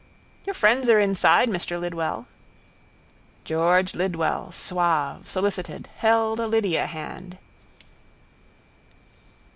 —Your friends are inside, Mr Lidwell. George Lidwell, suave, solicited, held a lydiahand.